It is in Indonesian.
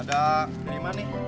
ada berimana nih